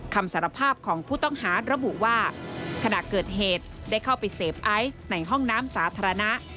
คำสารภาพของผู้ต้องหาระบุว่าขณะเกิดเหตุได้เข้าไปเสพไอซ์ในห้องน้ำสาธารณะ